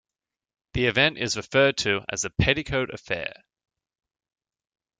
The event is referred to as the Petticoat affair.